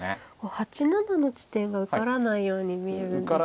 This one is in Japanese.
８七の地点が受からないように見えるんですけど。